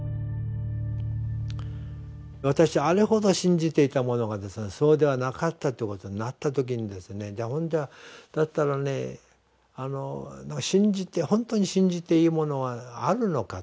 私あれほど信じていたものがそうではなかったってことになった時にですねじゃあだったらねほんとに信じていいものはあるのかと。